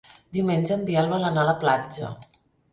Diumenge en Biel vol anar a la platja.